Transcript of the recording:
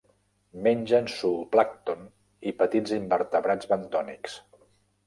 Mengen zooplàncton i petits invertebrats bentònics.